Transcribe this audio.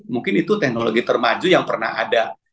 mungkin itu teknologi termaju yang pernah ada